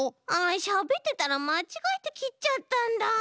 しゃべってたらまちがえてきっちゃったんだ。